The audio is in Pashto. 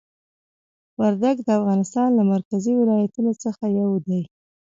وردګ د افغانستان له مرکزي ولایتونو څخه یو دی.